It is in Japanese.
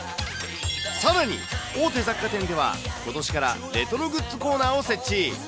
さらに、大手雑貨店では、ことしからレトログッズコーナーを設置。